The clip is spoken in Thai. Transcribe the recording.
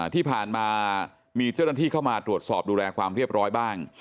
ที่ผ่านมามีเจ้าหน้าที่เข้ามาตรวจสอบดูแลความเรียบร้อยบ้าง